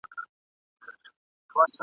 زما یوه خواخوږي دوست ..